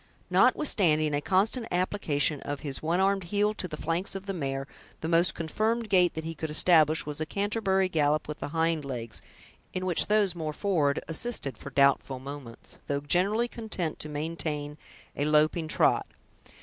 Notwithstanding a constant application of his one armed heel to the flanks of the mare, the most confirmed gait that he could establish was a Canterbury gallop with the hind legs, in which those more forward assisted for doubtful moments, though generally content to maintain a loping trot.